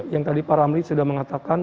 yang tadi pak ramli sudah mengatakan